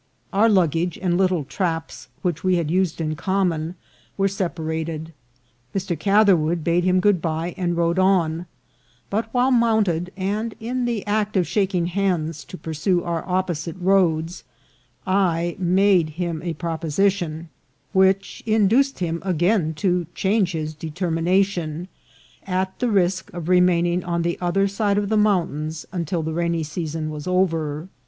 Our luggage and lit tle traps, which we had used in common, were separa ted ; Mr. Catherwood bade him good by and rode on ; but while mounted, and in the act of shaking hands to pursue our opposite roads, I made him a proposition which induced him again to change his determination, at the risk of remaining on the other side of the mount ains until the rainy season was over.